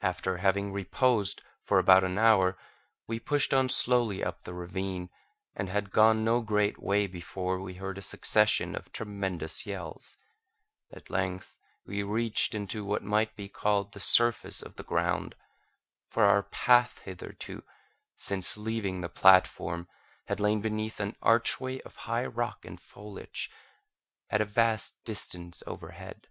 After having reposed for about an hour, we pushed on slowly up the ravine, and had gone no great way before we heard a succession of tremendous yells. At length we reached what might be called the surface of the ground; for our path hitherto, since leaving the platform, had lain beneath an archway of high rock and foliage, at a vast distance overhead.